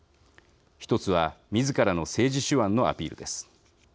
１つは、みずからの政治手腕のアピールです。